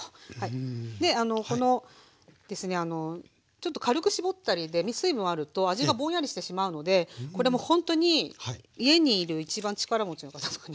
このですねちょっと軽く絞ったりで水分あると味がぼんやりしてしまうのでこれもほんとに家にいる一番力持ちの方とかね。